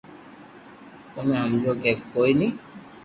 تمو ھمجو ھي ڪوئي ني